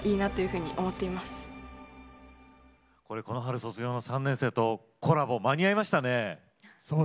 この春卒業の３年生とコラボ間に合いましたね。